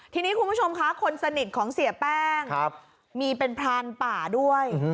ทีนี้คุณผู้ชมคะคนสนิทของเสียแป้งมีเป็นพรานป่าด้วย